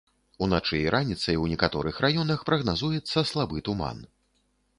Уначы і раніцай у некаторых раёнах прагназуецца слабы туман.